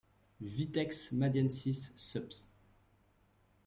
Vitex madiensis subsp.